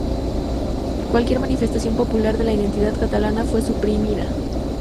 Cualquier manifestación popular de la identidad catalana fue suprimida.